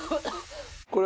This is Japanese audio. これ。